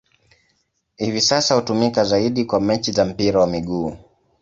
Hivi sasa hutumika zaidi kwa mechi za mpira wa miguu.